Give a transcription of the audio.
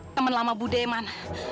teman lama bu deman